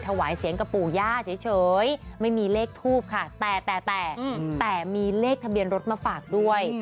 แต่มีเลขทะเบียนรถมาฝากด้วย